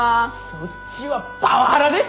そっちはパワハラですよ！